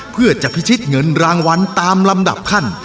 เพื่อจะพิชิตเงินรางวัลตามลำดับขั้น